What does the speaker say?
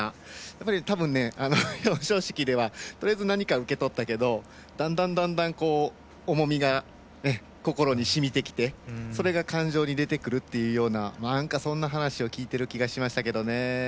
たぶん、表彰式では何か受け取ったけどだんだん、だんだん重みが心にしみてきてそれが感情に出てくるというような、そんな話を聞いている気がしましたけどね。